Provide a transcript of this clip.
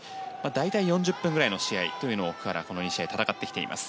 大体４０分ぐらいの試合を奥原、この２試合戦ってきています。